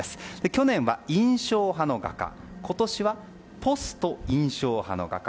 去年は印象派の画家今年はポスト印象派の画家。